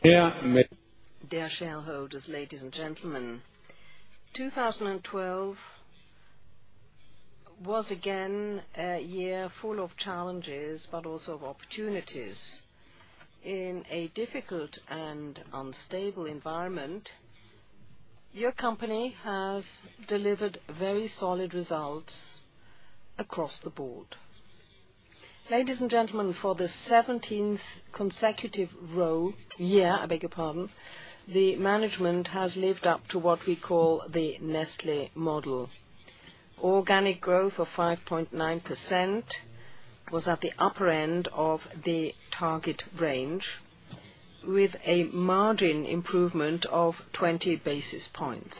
Dear shareholders, ladies and gentlemen. 2012 was again a year full of challenges, but also of opportunities. In a difficult and unstable environment, your company has delivered very solid results across the board. Ladies and gentlemen, for the 17th consecutive year, the management has lived up to what we call the Nestlé model. Organic growth of 5.9% was at the upper end of the target range, with a margin improvement of 20 basis points.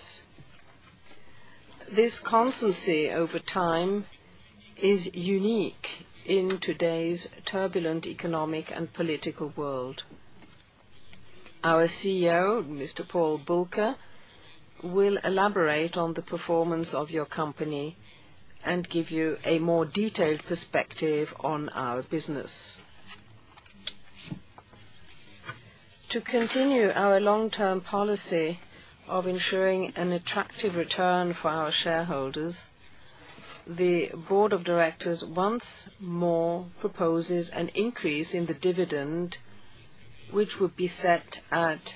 This constancy over time is unique in today's turbulent economic and political world. Our CEO, Mr. Paul Bulcke, will elaborate on the performance of your company and give you a more detailed perspective on our business. To continue our long-term policy of ensuring an attractive return for our shareholders, the board of directors once more proposes an increase in the dividend, which would be set at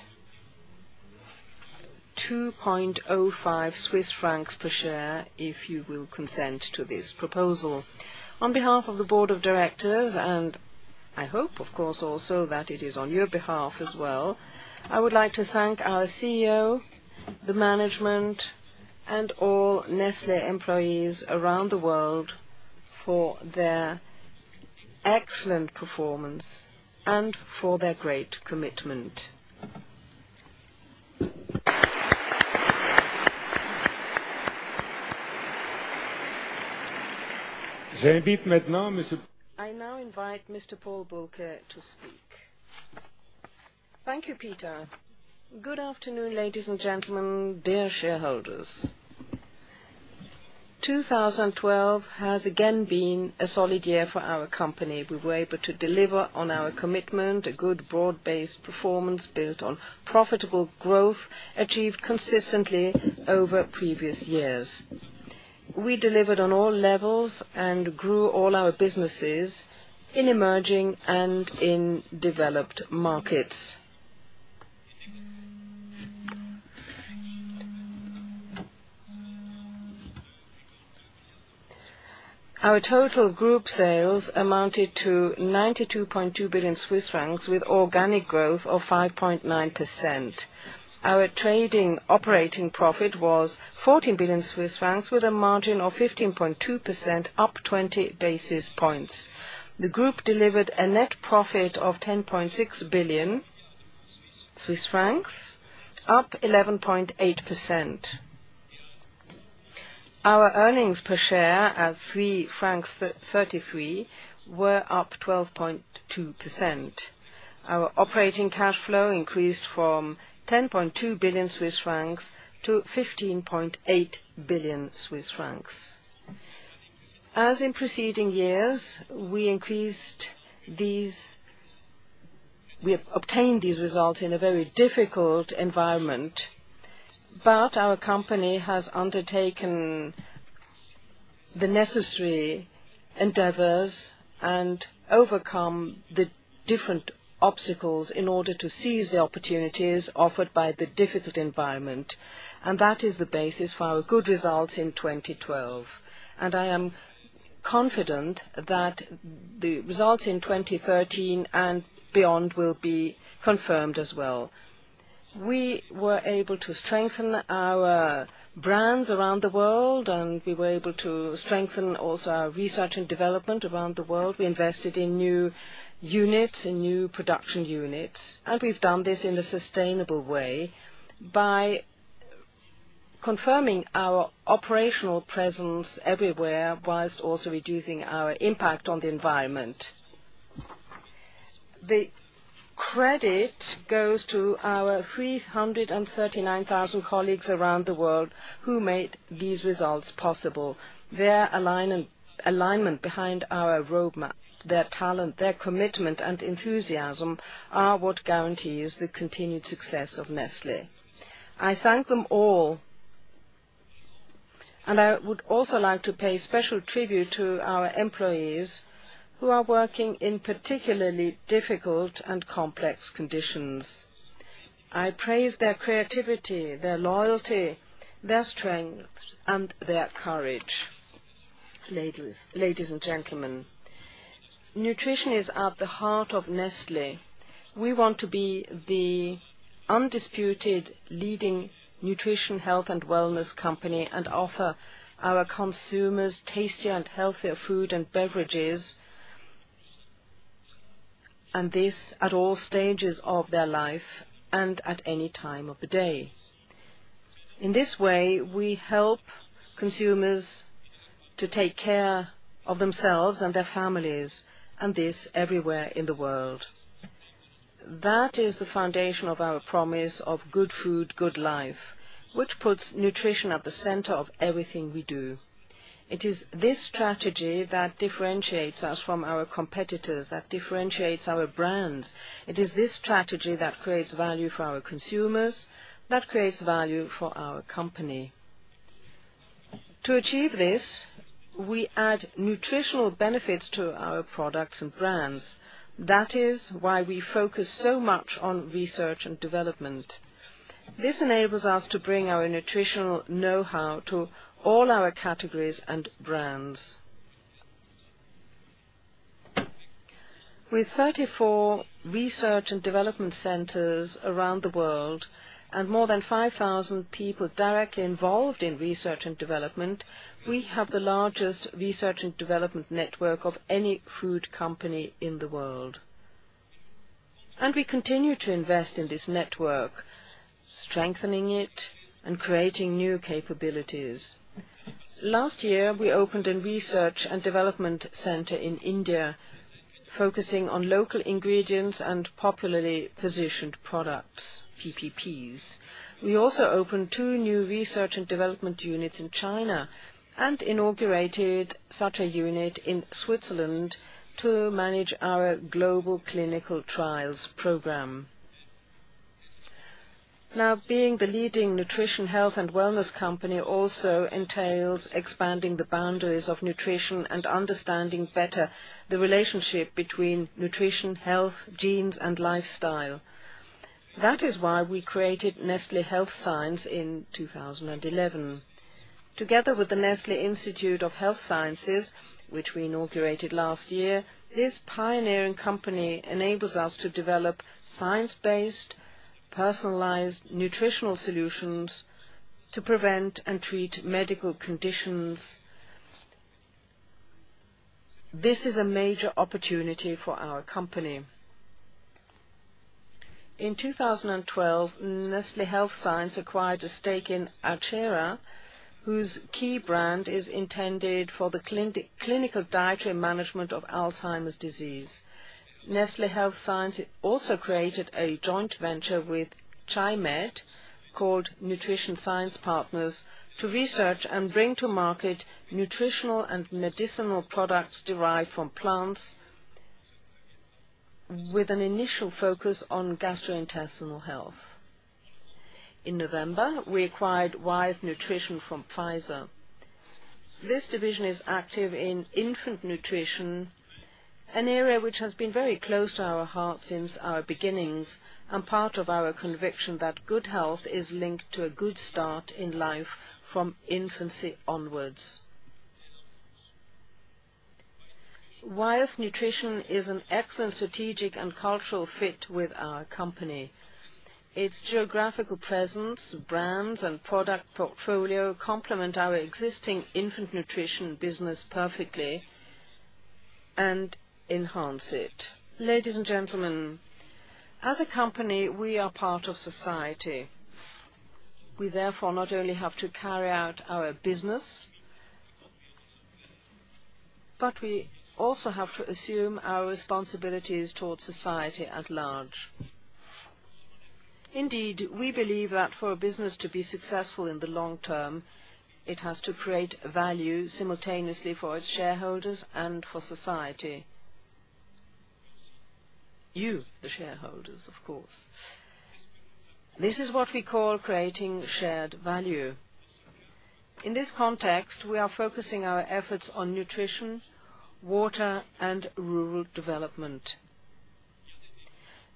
2.05 Swiss francs per share, if you will consent to this proposal. On behalf of the board of directors, and I hope, of course, also that it is on your behalf as well, I would like to thank our CEO, the management, and all Nestlé employees around the world for their excellent performance and for their great commitment. I now invite Mr. Paul Bulcke to speak. Thank you, Peter. Good afternoon, ladies and gentlemen, dear shareholders. 2012 has again been a solid year for our company. We were able to deliver on our commitment, a good broad-based performance built on profitable growth achieved consistently over previous years. We delivered on all levels and grew all our businesses in emerging and in developed markets. Our total group sales amounted to 92.2 billion Swiss francs with organic growth of 5.9%. Our trading operating profit was 14 billion Swiss francs with a margin of 15.2%, up 20 basis points. The group delivered a net profit of 10.6 billion Swiss francs, up 11.8%. Our earnings per share at 3.33 francs were up 12.2%. Our operating cash flow increased from 10.2 billion Swiss francs to 15.8 billion Swiss francs. As in preceding years, we have obtained these results in a very difficult environment, but our company has undertaken the necessary endeavors and overcome the different obstacles in order to seize the opportunities offered by the difficult environment. That is the basis for our good results in 2012. I am confident that the results in 2013 and beyond will be confirmed as well. We were able to strengthen our brands around the world, and we were able to strengthen also our research and development around the world. We invested in new production units, and we've done this in a sustainable way by confirming our operational presence everywhere whilst also reducing our impact on the environment. The credit goes to our 339,000 colleagues around the world who made these results possible. Their alignment behind our roadmap, their talent, their commitment, and enthusiasm are what guarantees the continued success of Nestlé. I thank them all, and I would also like to pay special tribute to our employees who are working in particularly difficult and complex conditions. I praise their creativity, their loyalty, their strength, and their courage. Ladies and gentlemen, nutrition is at the heart of Nestlé. We want to be the undisputed leading nutrition, health, and wellness company and offer our consumers tastier and healthier food and beverages, and this at all stages of their life and at any time of the day. In this way, we help consumers to take care of themselves and their families, and this everywhere in the world. That is the foundation of our promise of good food, good life, which puts nutrition at the center of everything we do. It is this strategy that differentiates us from our competitors, that differentiates our brands. It is this strategy that creates value for our consumers, that creates value for our company. To achieve this, we add nutritional benefits to our products and brands. That is why we focus so much on research and development. This enables us to bring our nutritional knowhow to all our categories and brands. With 34 research and development centers around the world and more than 5,000 people directly involved in research and development, we have the largest research and development network of any food company in the world. We continue to invest in this network, strengthening it and creating new capabilities. Last year, we opened a research and development center in India, focusing on local ingredients and popularly positioned products, PPPs. We also opened two new research and development units in China and inaugurated such a unit in Switzerland to manage our global clinical trials program. Being the leading nutrition, health, and wellness company also entails expanding the boundaries of nutrition and understanding better the relationship between nutrition, health, genes, and lifestyle. That is why we created Nestlé Health Science in 2011. Together with the Nestlé Institute of Health Sciences, which we inaugurated last year, this pioneering company enables us to develop science-based, personalized nutritional solutions to prevent and treat medical conditions. This is a major opportunity for our company. In 2012, Nestlé Health Science acquired a stake in Accera, whose key brand is intended for the clinical dietary management of Alzheimer's disease. Nestlé Health Science also created a joint venture with Chi-Med, called Nutrition Science Partners, to research and bring to market nutritional and medicinal products derived from plants with an initial focus on gastrointestinal health. In November, we acquired Wyeth Nutrition from Pfizer. This division is active in infant nutrition, an area which has been very close to our heart since our beginnings and part of our conviction that good health is linked to a good start in life from infancy onwards. Wyeth Nutrition is an excellent strategic and cultural fit with our company. Its geographical presence, brands, and product portfolio complement our existing infant nutrition business perfectly and enhance it. Ladies and gentlemen, as a company, we are part of society. We therefore not only have to carry out our business, but we also have to assume our responsibilities towards society at large. Indeed, we believe that for a business to be successful in the long term, it has to create value simultaneously for its shareholders and for society. You, the shareholders, of course. This is what we call Creating Shared Value. In this context, we are focusing our efforts on nutrition, water, and rural development.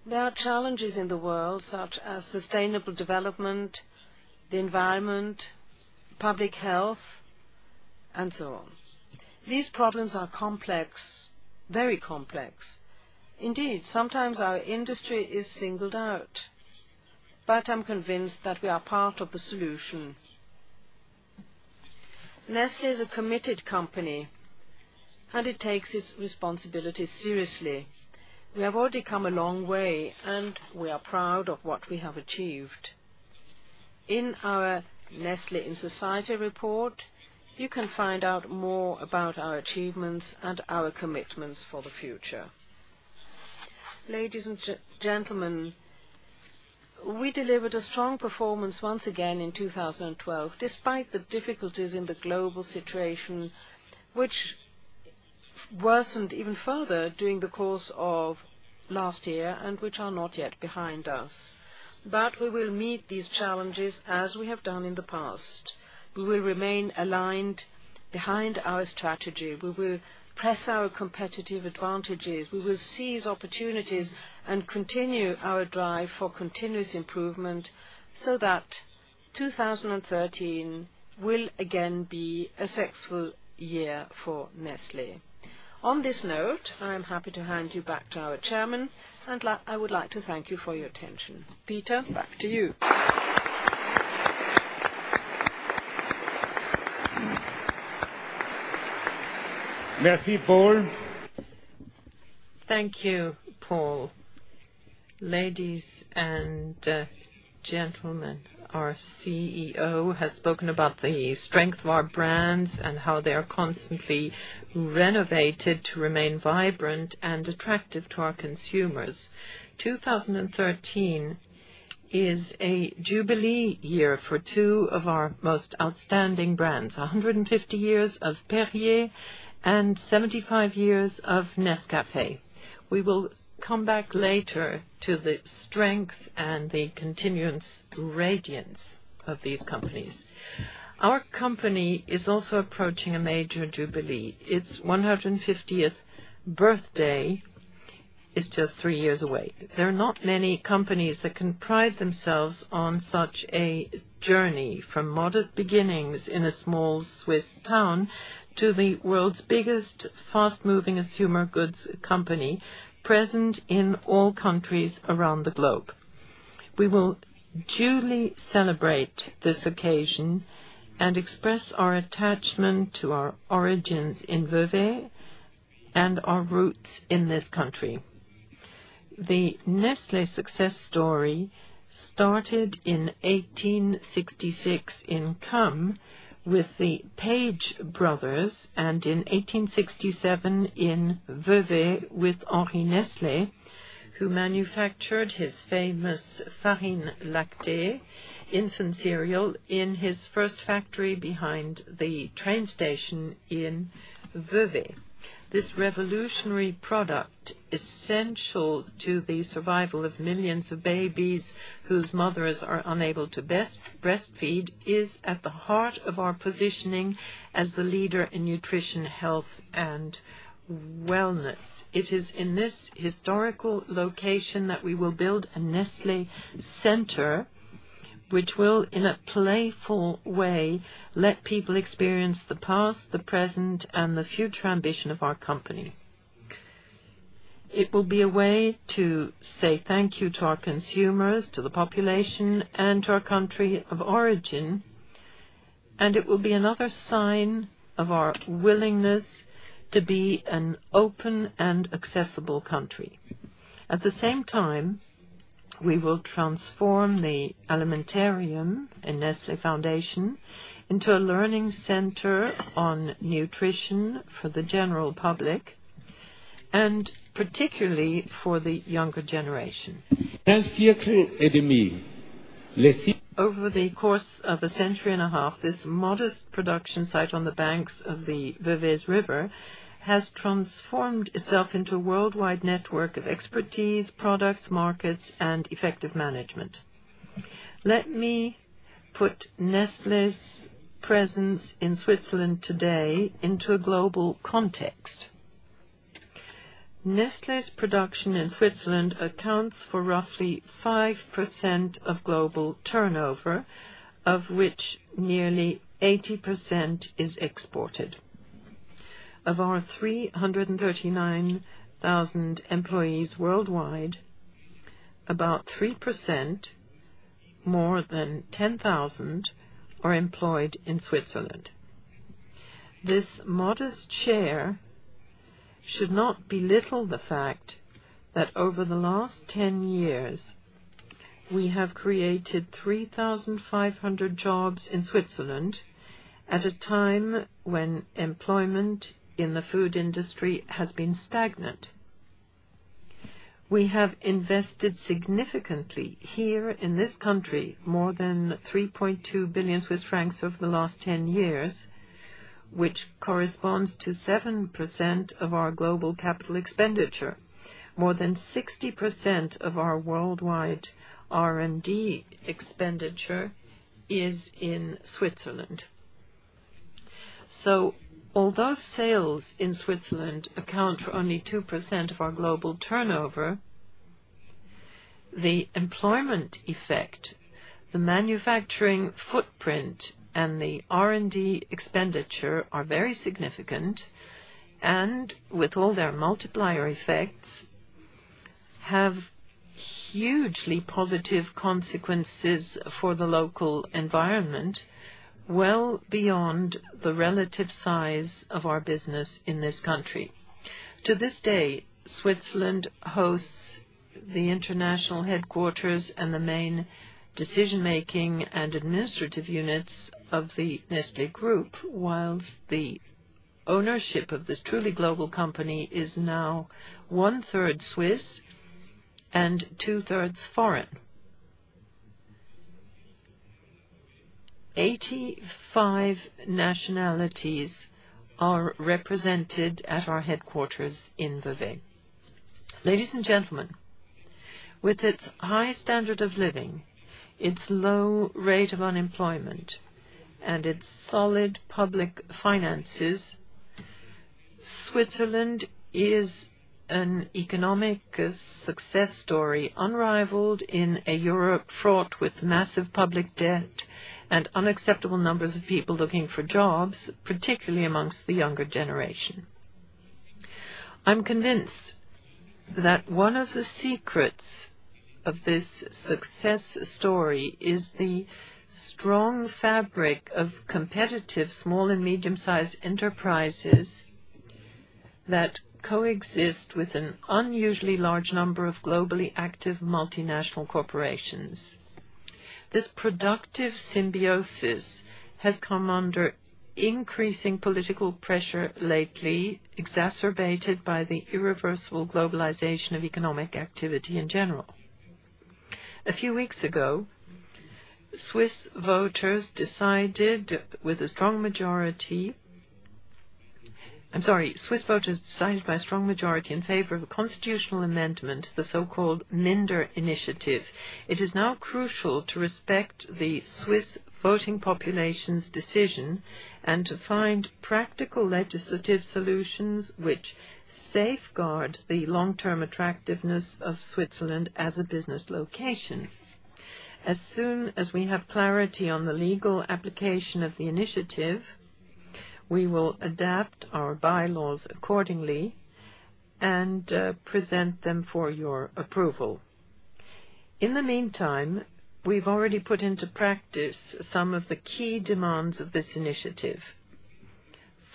There are challenges in the world such as sustainable development, the environment, public health, and so on. These problems are complex, very complex. Indeed, sometimes our industry is singled out, I'm convinced that we are part of the solution. Nestlé is a committed company, and it takes its responsibility seriously. We have already come a long way, and we are proud of what we have achieved. In our Nestlé in Society report, you can find out more about our achievements and our commitments for the future. Ladies and gentlemen, we delivered a strong performance once again in 2012, despite the difficulties in the global situation, which worsened even further during the course of last year and which are not yet behind us. We will meet these challenges as we have done in the past. We will remain aligned behind our strategy. We will press our competitive advantages. We will seize opportunities and continue our drive for continuous improvement so that 2013 will again be a successful year for Nestlé. On this note, I am happy to hand you back to our Chairman, and I would like to thank you for your attention. Peter, back to you. Merci, Paul. Thank you, Paul. Ladies and gentlemen, our CEO has spoken about the strength of our brands and how they are constantly renovated to remain vibrant and attractive to our consumers. 2013 is a jubilee year for two of our most outstanding brands, 150 years of Perrier and 75 years of Nescafé. We will come back later to the strength and the continued radiance of these companies. Our company is also approaching a major jubilee. Its 150th birthday is just three years away. There are not many companies that can pride themselves on such a journey from modest beginnings in a small Swiss town to the world's biggest fast-moving consumer goods company, present in all countries around the globe. We will duly celebrate this occasion and express our attachment to our origins in Vevey and our roots in this country. The Nestlé success story started in 1866 in Cham with the Page Brothers, and in 1867 in Vevey with Henri Nestlé, who manufactured his famous Farine Lactée infant cereal in his first factory behind the train station in Vevey. This revolutionary product, essential to the survival of millions of babies whose mothers are unable to breastfeed, is at the heart of our positioning as the leader in nutrition, health, and wellness. It is in this historical location that we will build an Alimentarium, which will, in a playful way, let people experience the past, the present, and the future ambition of our company. It will be a way to say thank you to our consumers, to the population, and to our country of origin, and it will be another sign of our willingness to be an open and accessible country. At the same time, we will transform the Alimentarium and Nestlé Foundation into a learning center on nutrition for the general public, and particularly for the younger generation. Over the course of a century and a half, this modest production site on the banks of the Veveyse River has transformed itself into a worldwide network of expertise, products, markets, and effective management. Let me put Nestlé's presence in Switzerland today into a global context. Nestlé's production in Switzerland accounts for roughly 5% of global turnover, of which nearly 80% is exported. Of our 339,000 employees worldwide, about 3%, more than 10,000, are employed in Switzerland. This modest share should not belittle the fact that over the last 10 years, we have created 3,500 jobs in Switzerland at a time when employment in the food industry has been stagnant. We have invested significantly here in this country, more than 3.2 billion Swiss francs over the last 10 years, which corresponds to 7% of our global capital expenditure. More than 60% of our worldwide R&D expenditure is in Switzerland. Although sales in Switzerland account for only 2% of our global turnover, the employment effect, the manufacturing footprint, and the R&D expenditure are very significant, and with all their multiplier effects, have hugely positive consequences for the local environment, well beyond the relative size of our business in this country. To this day, Switzerland hosts the international headquarters and the main decision-making and administrative units of the Nestlé Group, while the ownership of this truly global company is now one-third Swiss and two-thirds foreign. 85 nationalities are represented at our headquarters in Vevey. Ladies and gentlemen, with its high standard of living, its low rate of unemployment, and its solid public finances, Switzerland is an economic success story unrivaled in a Europe fraught with massive public debt and unacceptable numbers of people looking for jobs, particularly amongst the younger generation. I'm convinced that one of the secrets of this success story is the strong fabric of competitive small and medium-sized enterprises that coexist with an unusually large number of globally active multinational corporations. This productive symbiosis has come under increasing political pressure lately, exacerbated by the irreversible globalization of economic activity in general. A few weeks ago, Swiss voters decided by a strong majority in favor of a constitutional amendment to the so-called Minder Initiative. It is now crucial to respect the Swiss voting population's decision and to find practical legislative solutions which safeguard the long-term attractiveness of Switzerland as a business location. As soon as we have clarity on the legal application of the initiative, we will adapt our bylaws accordingly and present them for your approval. In the meantime, we've already put into practice some of the key demands of this initiative.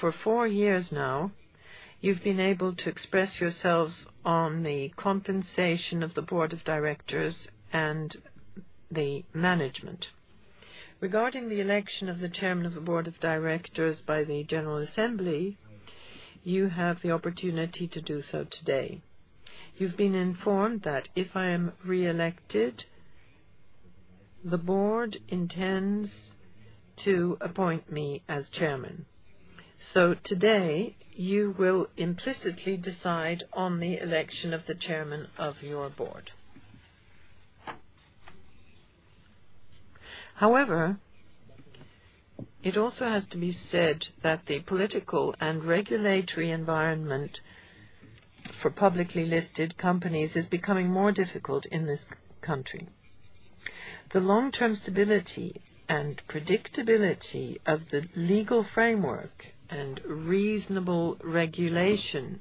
For four years now, you've been able to express yourselves on the compensation of the board of directors and the management. Regarding the election of the Chairman of the Board of Directors by the General Assembly, you have the opportunity to do so today. You've been informed that if I am reelected, the Board intends to appoint me as Chairman. Today, you will implicitly decide on the election of the Chairman of your Board. However, it also has to be said that the political and regulatory environment for publicly listed companies is becoming more difficult in this country. The long-term stability and predictability of the legal framework and reasonable regulation,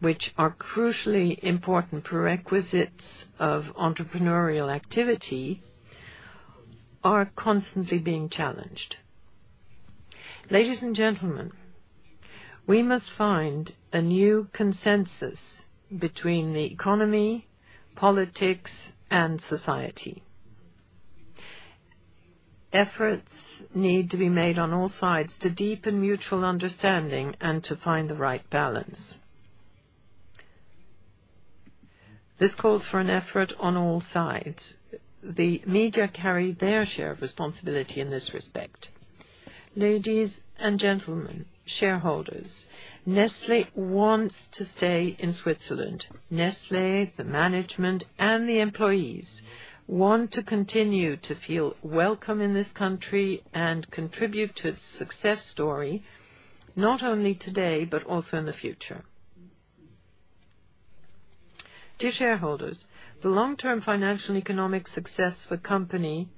which are crucially important prerequisites of entrepreneurial activity, are constantly being challenged. Ladies and gentlemen, we must find a new consensus between the economy, politics, and society. Efforts need to be made on all sides to deepen mutual understanding and to find the right balance. This calls for an effort on all sides. The media carry their share of responsibility in this respect. Ladies and gentlemen, shareholders, Nestlé wants to stay in Switzerland. Nestlé, the management, and the employees want to continue to feel welcome in this country and contribute to its success story, not only today, but also in the future. Dear shareholders, the long-term financial and economic success for company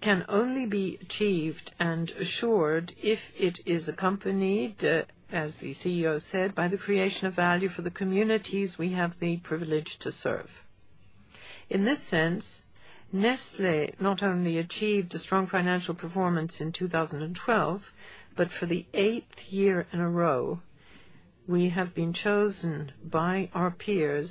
can only be achieved and assured if it is accompanied, as the CEO said, by the creation of value for the communities we have the privilege to serve. In this sense, Nestlé not only achieved a strong financial performance in 2012, but for the eighth year in a row, we have been chosen by our peers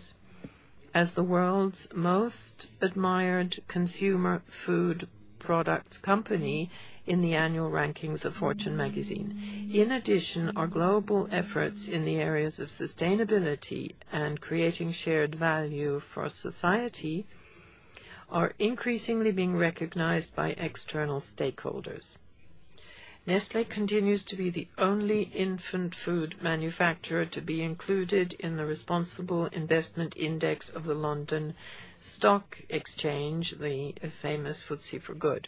as the world's most admired consumer food product company in the annual rankings of Fortune Magazine. In addition, our global efforts in the areas of sustainability and Creating Shared Value for society are increasingly being recognized by external stakeholders. Nestlé continues to be the only infant food manufacturer to be included in the Responsible Investment Index of the London Stock Exchange, the famous FTSE4Good.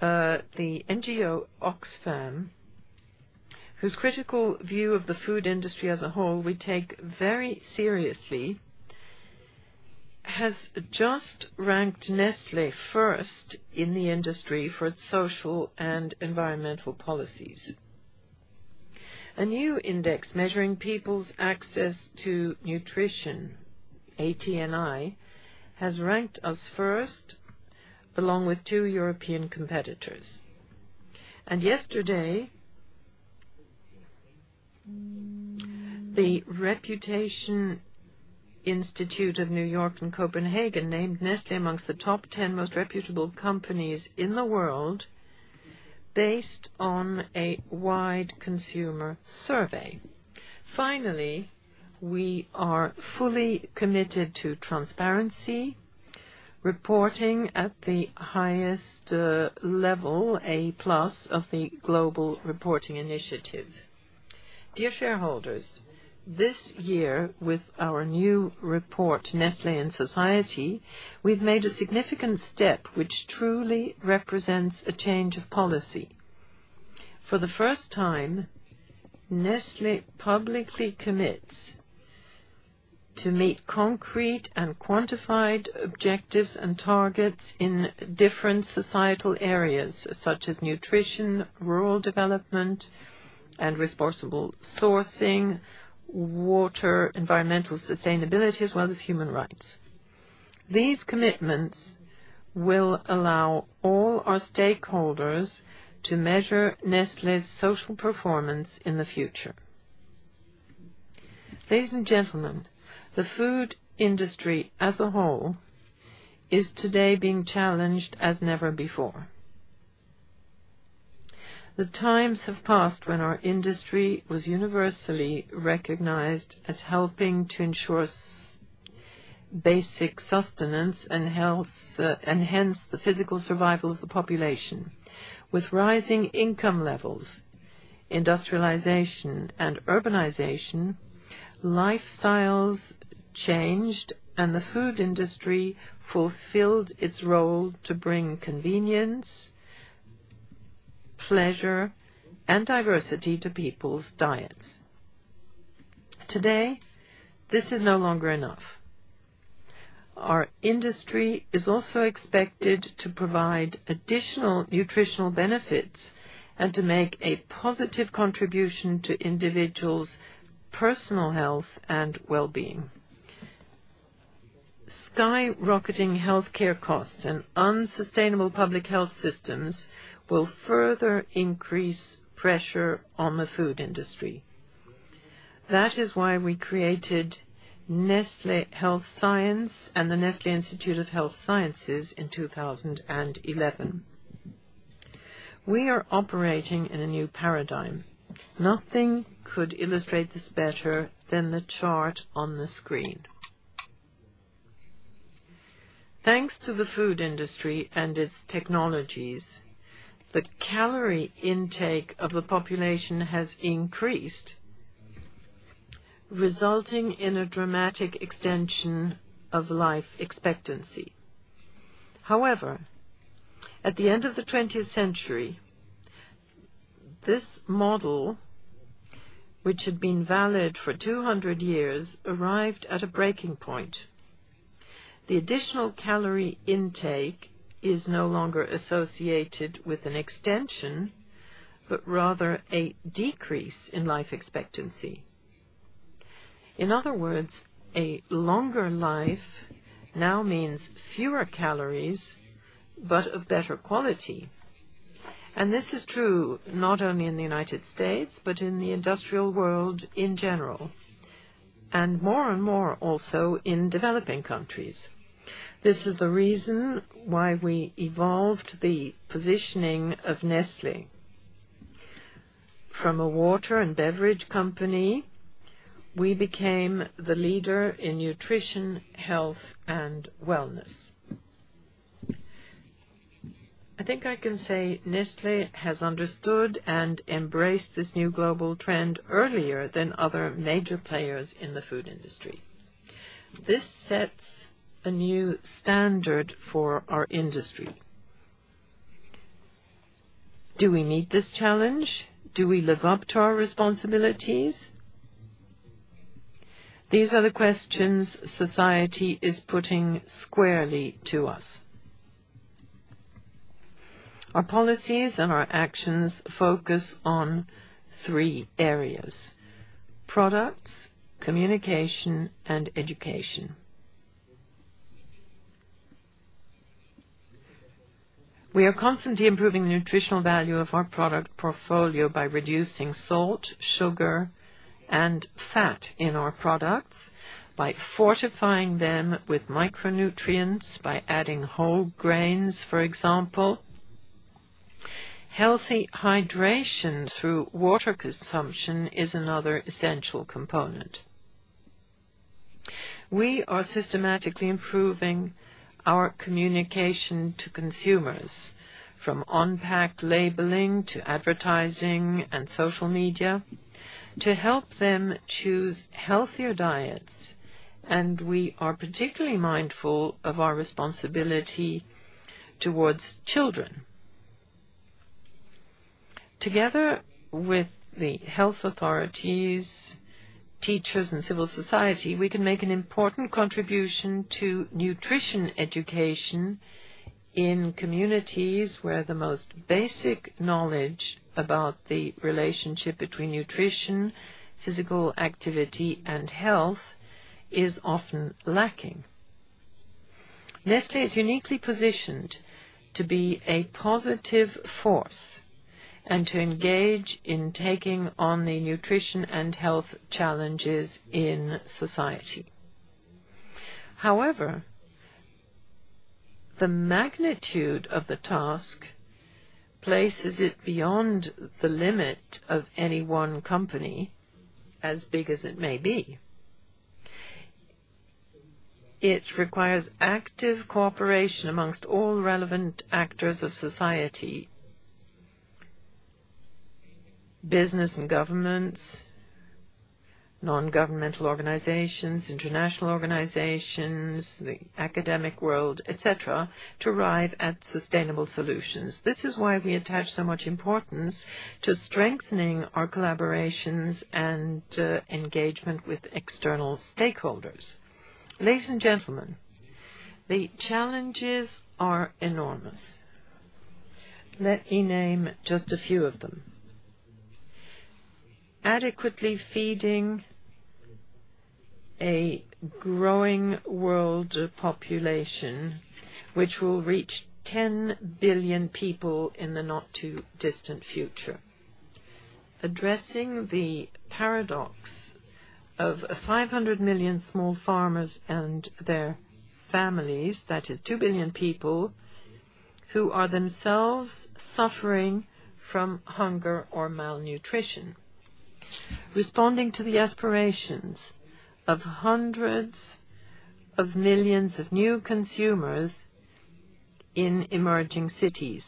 The NGO Oxfam, whose critical view of the food industry as a whole we take very seriously, has just ranked Nestlé first in the industry for its social and environmental policies. A new index measuring people's access to nutrition, ATNI, has ranked us first, along with two European competitors. Yesterday, the Reputation Institute of New York and Copenhagen named Nestlé amongst the top 10 most reputable companies in the world based on a wide consumer survey. Finally, we are fully committed to transparency, reporting at the highest level, A+, of the Global Reporting Initiative. Dear shareholders, this year with our new report, Nestlé in Society, we've made a significant step which truly represents a change of policy. For the first time, Nestlé publicly commits to meet concrete and quantified objectives and targets in different societal areas such as nutrition, rural development, and responsible sourcing, water, environmental sustainability, as well as human rights. These commitments will allow all our stakeholders to measure Nestlé's social performance in the future. Ladies and gentlemen, the food industry as a whole is today being challenged as never before. The times have passed when our industry was universally recognized as helping to ensure Basic sustenance and hence the physical survival of the population. With rising income levels, industrialization, and urbanization, lifestyles changed and the food industry fulfilled its role to bring convenience, pleasure, and diversity to people's diets. Today, this is no longer enough. Our industry is also expected to provide additional nutritional benefits and to make a positive contribution to individuals' personal health and well-being. Skyrocketing healthcare costs and unsustainable public health systems will further increase pressure on the food industry. That is why we created Nestlé Health Science and the Nestlé Institute of Health Sciences in 2011. We are operating in a new paradigm. Nothing could illustrate this better than the chart on the screen. Thanks to the food industry and its technologies, the calorie intake of the population has increased, resulting in a dramatic extension of life expectancy. However, at the end of the 20th century, this model, which had been valid for 200 years, arrived at a breaking point. The additional calorie intake is no longer associated with an extension, but rather a decrease in life expectancy. In other words, a longer life now means fewer calories, but of better quality. This is true not only in the U.S., but in the industrial world in general, and more and more also in developing countries. This is the reason why we evolved the positioning of Nestlé. From a water and beverage company, we became the leader in nutrition, health, and wellness. I think I can say Nestlé has understood and embraced this new global trend earlier than other major players in the food industry. This sets a new standard for our industry. Do we meet this challenge? Do we live up to our responsibilities? These are the questions society is putting squarely to us. Our policies and our actions focus on three areas: products, communication, and education. We are constantly improving the nutritional value of our product portfolio by reducing salt, sugar, and fat in our products, by fortifying them with micronutrients, by adding whole grains, for example. Healthy hydration through water consumption is another essential component. We are systematically improving our communication to consumers, from on-pack labeling to advertising and social media, to help them choose healthier diets. We are particularly mindful of our responsibility towards children. Together with the health authorities, teachers, and civil society, we can make an important contribution to nutrition education in communities where the most basic knowledge about the relationship between nutrition, physical activity, and health is often lacking. Nestlé is uniquely positioned to be a positive force and to engage in taking on the nutrition and health challenges in society. However, the magnitude of the task places it beyond the limit of any one company, as big as it may be. It requires active cooperation amongst all relevant actors of society, business and governments, non-governmental organizations, international organizations, the academic world, et cetera, to arrive at sustainable solutions. This is why we attach so much importance to strengthening our collaborations and engagement with external stakeholders. Ladies and gentlemen, the challenges are enormous. Let me name just a few of them. Adequately feeding a growing world population, which will reach 10 billion people in the not too distant future. Addressing the paradox of 500 million small farmers and their families, that is 2 billion people, who are themselves suffering from hunger or malnutrition. Responding to the aspirations of hundreds of millions of new consumers in emerging cities.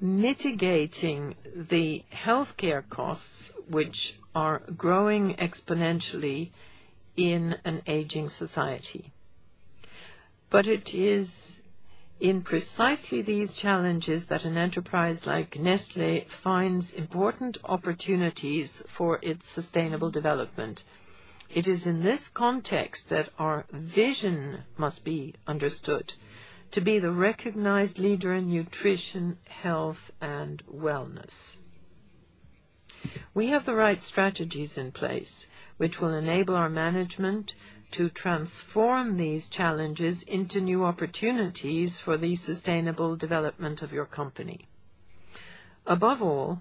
Mitigating the healthcare costs, which are growing exponentially in an aging society. It is in precisely these challenges that an enterprise like Nestlé finds important opportunities for its sustainable development. It is in this context that our vision must be understood to be the recognized leader in nutrition, health, and wellness. We have the right strategies in place, which will enable our management to transform these challenges into new opportunities for the sustainable development of your company. Above all,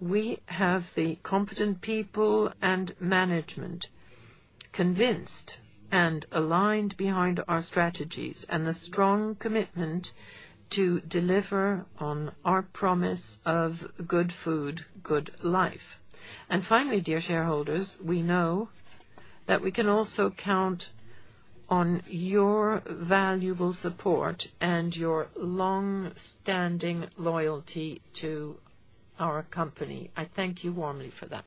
we have the competent people and management convinced and aligned behind our strategies, and a strong commitment to deliver on our promise of good food, good life. Finally, dear shareholders, we know that we can also count on your valuable support and your long-standing loyalty to our company. I thank you warmly for that.